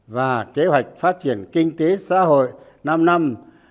và kế hoạch phát triển kinh tế xã hội năm năm hai nghìn hai mươi một hai nghìn hai mươi